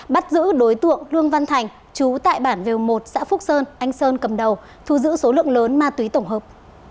bắt giữ đối tượng lương văn thành chú tại bản vèo một xã phúc sơn anh sơn cầm đầu thu giữ số lượng lớn ma túy tổng hợp